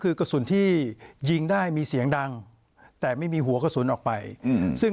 คือไปซื้อแบงก์กันที่ใช้กระสุนจริง